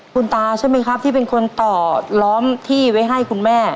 คุณตาใช่ไหมครับที่เป็นคนต่อล้อมที่ไว้ให้คุณแม่